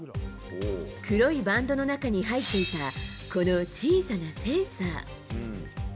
黒いバンドの中に入っていたこの小さなセンサー。